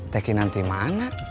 teki nanti mana